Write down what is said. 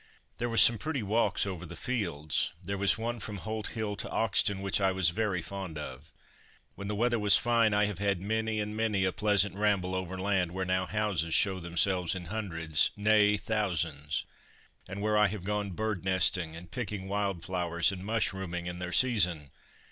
There were some pretty walks over the fields. There was one from Holt Hill to Oxton which I was very fond of. When the weather was fine I have had many and many a pleasant ramble over land where now houses show themselves in hundreds, nay, thousands, and where I have gone bird nesting, and picking wild flowers, and mushrooming in their season.